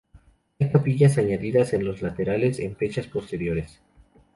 Hay capillas añadidas en los laterales en fechas posteriores.